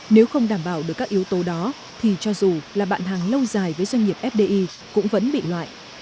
nếu không đảm bảo được các yếu tố đó thì cho dù là bạn hàng lâu dài với doanh nghiệp fdi cũng vẫn bị loại